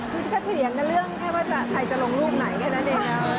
คือที่เค้าเถียงกันเรื่องให้ว่าถ่ายจะลงรูปไหนแค่นั้นเอง